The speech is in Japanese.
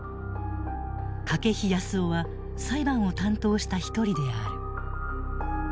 筧康生は裁判を担当した一人である。